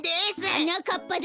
はなかっぱだよ。